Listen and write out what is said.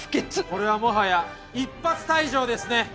これはもはや一発退場ですね。